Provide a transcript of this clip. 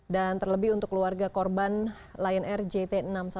dan terlebih untuk keluarga korban lion air jt enam ratus sepuluh